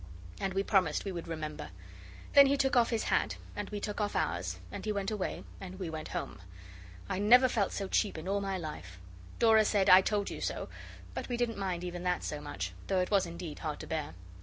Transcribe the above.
And we promised we would remember. Then he took off his hat, and we took off ours, and he went away, and we went home. I never felt so cheap in all my life! Dora said, 'I told you so,' but we didn't mind even that so much, though it was indeed hard to bear.